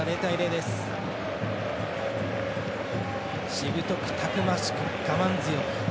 しぶとく、たくましく、我慢強く。